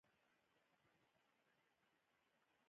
اطلاعات درکوو.